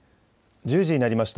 １０時になりました。